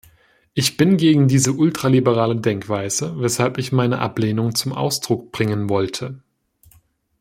Ich bin gegen diese ultraliberale Denkweise, weshalb ich meine Ablehnung zum Ausdruck bringen wollte.